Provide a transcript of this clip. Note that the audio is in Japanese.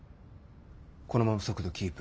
このまま速度キープ。